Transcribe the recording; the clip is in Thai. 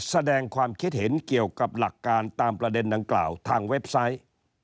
แสดงความคิดเห็นเกี่ยวกับหลักการตามประเด็นดังกล่าวทางเว็บไซต์